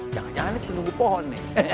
jangan jangan itu nunggu pohon nih